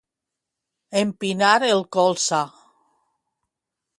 Empinar el colze